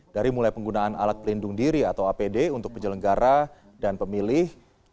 dari mulai penggunaan alat pelindung diri atau apd untuk penyelenggara dan pemilih